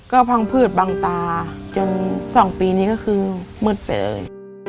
ก็พังพืชบังตาจน๒ปีนี้ก็คือมืดไปเลย